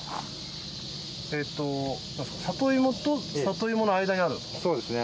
えっと里芋と里芋の間にあるんですか？